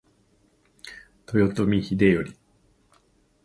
豊臣秀頼